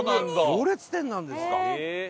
行列店なんですか！